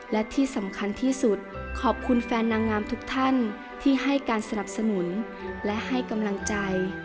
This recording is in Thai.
และที่สำคัญที่สุดขอบคุณแฟนนางงามทุกท่านที่ให้การสนับสนุนและให้กำลังใจ